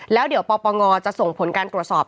แล้วเดี๋ยวปปงจะส่งผลการตรวจสอบ